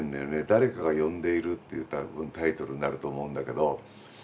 「だれかがよんでいる」っていう多分タイトルになると思うんだけど。